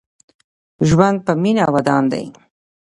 ژوند په مينه ودان دې